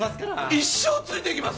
一生ついていきます！